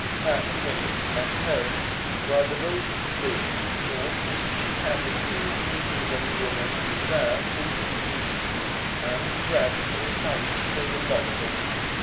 Her evenings at home were devoted to books, for she had the true New England woman's desire for education, and read or studied for the love of it.